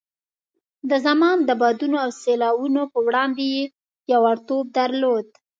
د زمان د بادونو او سیلاوونو په وړاندې یې پیاوړتوب درلود.